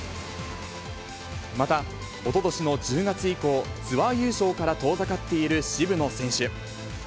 また、おととしの１０月以降、ツアー優勝から遠ざかっている渋野選手。